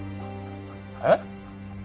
えっ？